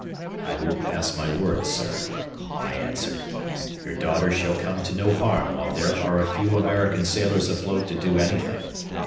"I will pass my word, sir," I answered. "Your daughter shall come to no harm while there are a few American sailors afloat to do anything.